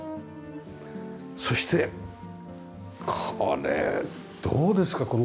そしてこれどうですか？